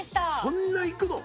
「そんないくの！？」